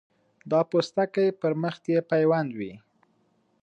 دا پوستکی پر مخ یې پیوند وي.